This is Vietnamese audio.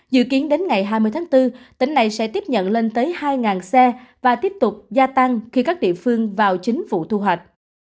dự kiến đến ngày hai mươi tháng bốn tỉnh này sẽ tiếp nhận lên tới hai xe và tiếp tục gia tăng khi các địa phương vào chính vụ thu hoạch